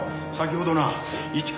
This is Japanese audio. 先ほどな一